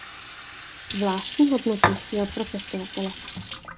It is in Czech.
Zvláštní hodnotu měl pro cestovatele.